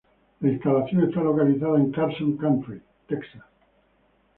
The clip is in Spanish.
La instalación está localizada en Carson Country, Texas.